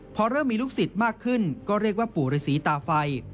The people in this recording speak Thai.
พอเริ่มมีลูกศิษย์มากขึ้นก็เรียกว่าปู่ฤษีตาไฟ